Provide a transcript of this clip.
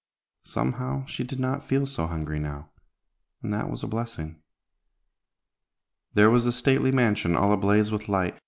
Somehow she did not feel so hungry now, and that was a blessing. There was the stately mansion all ablaze with light.